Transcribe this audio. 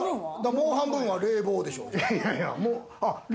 もう半分は冷房でしょ。